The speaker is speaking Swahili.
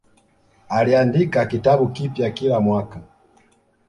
Aliandika kitabu kipya kila mwaka